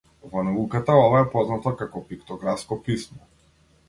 Во науката ова е познато како пиктографско писмо.